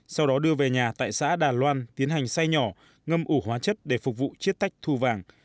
sau đó đưa về nhà tại xã đà loan tiến hành xây nhỏ ngâm ủ hóa chất để phục vụ chiết tách thu vàng